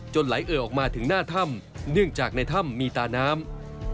ไหลเอ่อออกมาถึงหน้าถ้ำเนื่องจากในถ้ำมีตาน้ำ